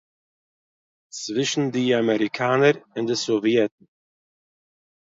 צווישן די אמעריקאנער און די סאוויעטן